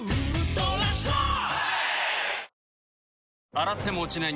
洗っても落ちない